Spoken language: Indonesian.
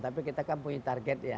tapi kita kan punya target ya